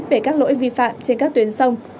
về các lỗi vi phạm trên các tuyến sông